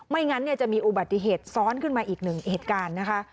งั้นจะมีอุบัติเหตุซ้อนขึ้นมาอีกหนึ่งเหตุการณ์นะคะ